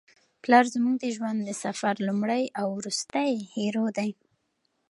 پلار زموږ د ژوند د سفر لومړی او وروستی هیرو دی.